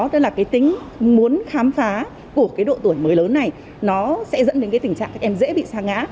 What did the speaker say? tính muốn khám phá của độ tuổi mới lớn này sẽ dẫn đến tình trạng các em dễ bị xa ngã